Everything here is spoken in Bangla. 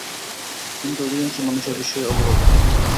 কিন্তু অধিকাংশ মানুষ এ বিষয়ে অবগত নয়।